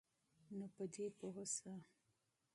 نو په دی پوهه شه